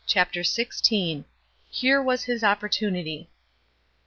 CHAPTER XVI. "HERE WAS HIS OPPORTUNITY."